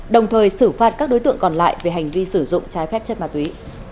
đồng thời xử phạt các đối tượng còn lại về hành vi sử dụng trái phép chất ma túy